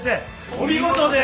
お見事です。